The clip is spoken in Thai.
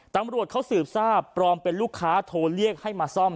ตำรวจเขาสืบทราบปลอมเป็นลูกค้าโทรเรียกให้มาซ่อม